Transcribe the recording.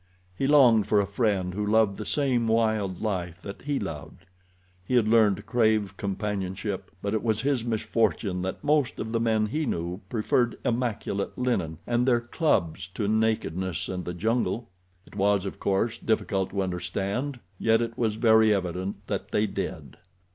He longed for a friend who loved the same wild life that he loved. He had learned to crave companionship, but it was his misfortune that most of the men he knew preferred immaculate linen and their clubs to nakedness and the jungle. It was, of course, difficult to understand, yet it was very evident that they did.